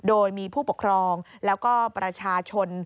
โดยมีผู้ปกครองแล้วก็ประชาชน